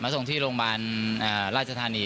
ส่งที่โรงพยาบาลราชธานี